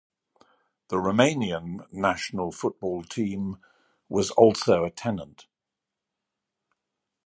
The Romanian national football team was also a tenant.